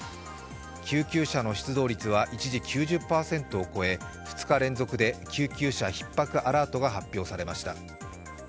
救急車の出動率は一時、９０％を超え２日連続で救急車ひっ迫アラートが発表されました。